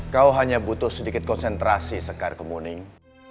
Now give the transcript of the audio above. kau hanya butuh sedikit konsentrasi sekar kemuning